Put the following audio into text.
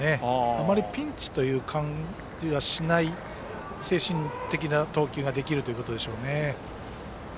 あまりピンチという感じはしない精神的な投球ができるということでしょうね。